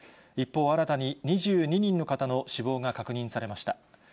一方、新たに２２人の方の死亡が確認されました。